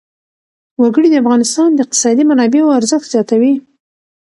وګړي د افغانستان د اقتصادي منابعو ارزښت زیاتوي.